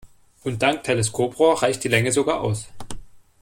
Und dank Teleskoprohr reicht die Länge sogar aus.